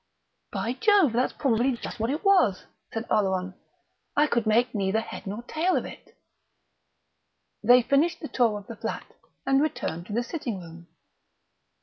"By Jove, that's probably just what it was," said Oleron. "I could make neither head nor tail of it...." They finished the tour of the flat, and returned to the sitting room.